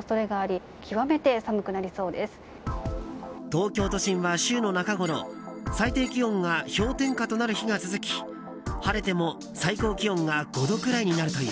東京都心は週の中ごろ最低気温が氷点下となる日が続き晴れても最高気温が５度くらいになるという。